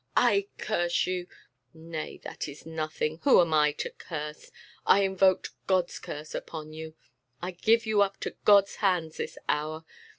I curse you! Nay, that is nothing; who am I to curse? I invoke God's curse upon you! I give you up into God's hands this hour!